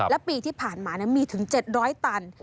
และปีที่ผ่านมามีถึง๗๐๐ตัน